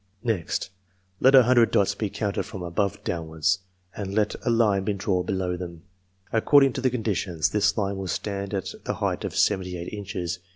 Next, let a hundred dots be counted from above downwards, and let a line be drawn below them. According to the con ditions, this line will stand at the height of seventy eight inches.